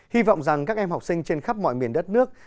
hy vọng rằng các em học sinh trên khắp mọi miền đất nước